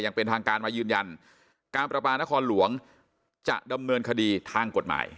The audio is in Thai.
อย่างเป็นทางการมายืนยันการประปานครหลวงจะดำเนินคดีทางกฎหมาย